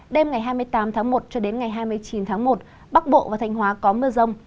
đêm ngày hai mươi tám tháng một cho đến ngày hai mươi chín tháng một bắc bộ và thanh hóa có mưa rông